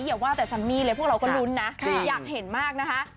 อย่าว่าแต่ซันมี่เลยพวกเราก็ลุ้นนะอยากเห็นมากนะคะ